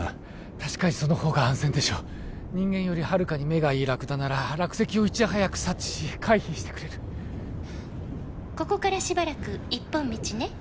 確かにその方が安全でしょう人間よりはるかに目がいいラクダなら落石をいち早く察知し回避してくれる「ここからしばらく一本道ね」